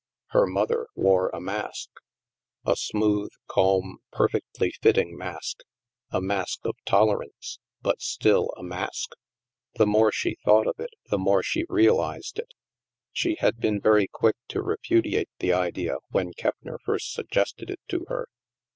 Her mother wore a mask! A smooth, cabn, perfectly fitting mask! A mask of tolerance! But still a mask ! The more she thought of it, the more she realized it. She had been very quick to repudiate the idea when Keppner first suggested it to her.